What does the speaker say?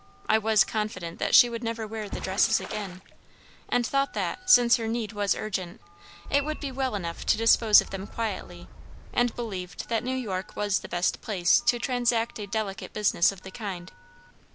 I was confident that she would never wear the dresses again, and thought that, since her need was urgent, it would be well enough to dispose of them quietly, and believed that New York was the best place to transact a delicate business of the kind.